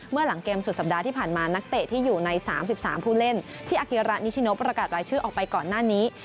เมื่อหลังเกมสุดสัปดาห์ที่ผ่านมานักเตะที่อยู่ใน๓๓ผู้เล่นที่อาเกียระนิชิโนประกาศรายชื่อออกไปก่อนหน้านี้